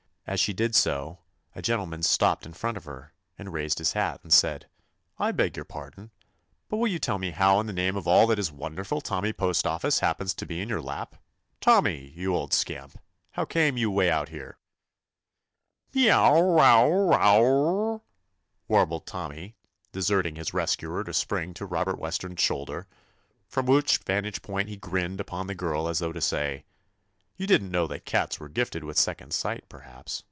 As she did so a gentleman stopped in front of her, and raising his hat said : "I beg your pardon, but will you tell me how in the name of all that is wonderful Tommy Postoffice happens to be in your lap? Tommy, you old scamp, how came you way out here*?" "Merow wow wow," warbled Tom my, deserting his rescuer to spring to Robert Weston's shoulder, from which vantage point he grinned upon the girl as though to say: "You did n't know that cats were gifted with second sight, perhaps.